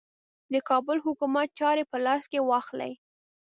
د کابل حکومت چاري په لاس کې واخلي.